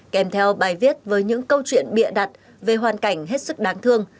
kèm theo bài viết với những câu chuyện bịa đặt về hoàn cảnh hết sức đáng thương